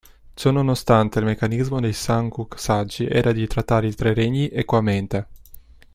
Ciononostante, il meccanismo del "Samguk sagi" era di trattare i Tre regni equamente.